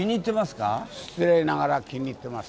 失礼ながら気に入ってます。